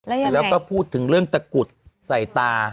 แล้วยังไงแล้วก็พูดถึงเรื่องตะกุฎใส่ตา